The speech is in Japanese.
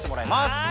はい！